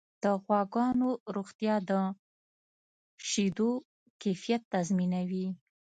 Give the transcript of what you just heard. د غواګانو روغتیا د شیدو کیفیت تضمینوي.